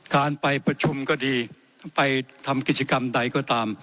การไปประชุมก็ดีไปทำกิจกรรมใดก็ตาม